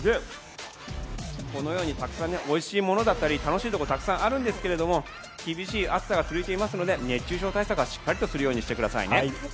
このようにたくさんおいしいものだったり楽しいところがたくさんあるんですが厳しい暑さが続いていますので熱中症対策はしっかりとするようにしてくださいね。